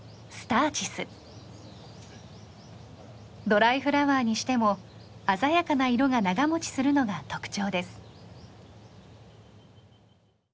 ドライフラワーにしても鮮やかな色が長持ちするのが特徴です。